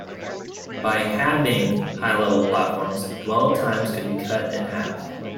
By having high-level platforms, dwell times could be cut in half.